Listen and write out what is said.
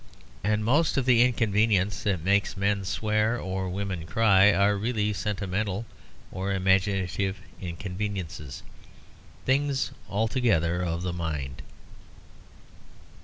And most of the inconveniences that make men swear or women cry are really sentimental or imaginative inconveniences things altogether of the mind.